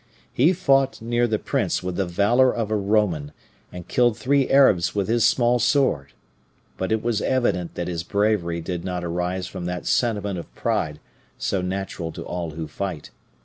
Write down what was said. He fought near the prince with the valor of a Roman, and killed three Arabs with his small sword. But it was evident that his bravery did not arise from that sentiment of pride so natural to all who fight.